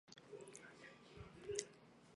气候介于温带大陆性气候和海洋性气候。